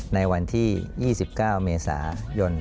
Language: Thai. ในวันที่๒๙เมษายน